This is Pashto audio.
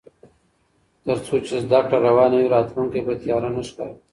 تر څو چې زده کړه روانه وي، راتلونکی به تیاره نه ښکاري.